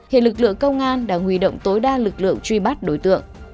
hiện lực lượng công an đã huy động tối đa lực lượng truy bắt đối tượng